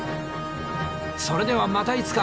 それではまたいつか。